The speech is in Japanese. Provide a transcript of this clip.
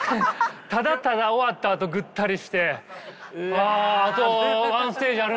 ただただ終わったあとぐったりして「ああと１ステージあるんか」って言ってな。